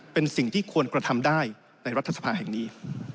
เป็นสิ่งที่ควรกระทำได้ในรัฐสภาแห่งนี้